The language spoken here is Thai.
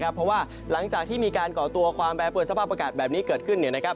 เพราะว่าหลังจากที่มีการก่อตัวความแปรปวนสภาพอากาศแบบนี้เกิดขึ้น